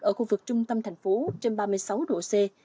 ở khu vực trung tâm thành phố trên ba mươi sáu độ c